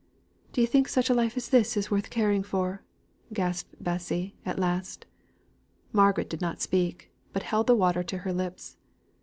"Do you think such life as this is worth caring for?" gasped Bessy, at last. Margaret did not speak, but held the water to her lips.